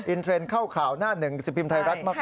เทรนด์เข้าข่าวหน้าหนึ่งสิบพิมพ์ไทยรัฐมาก